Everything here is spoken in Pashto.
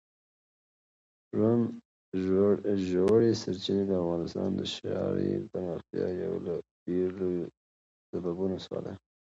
ژورې سرچینې د افغانستان د ښاري پراختیا یو له ډېرو لویو سببونو څخه ده.